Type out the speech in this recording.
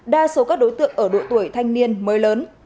đa số các đối tượng ở độ tuổi thanh niên mới lớn